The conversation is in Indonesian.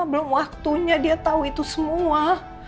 belum waktunya dia tahu itu semua